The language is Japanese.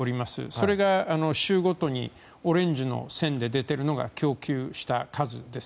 それが、週ごとにオレンジの線で出ているのが供給した数です。